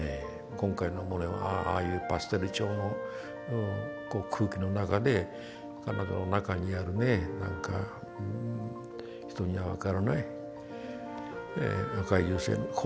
今回のモネはああいうパステル調の空気の中で彼女の中にあるねなんか、人には分からない